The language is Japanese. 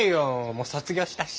もう卒業したし。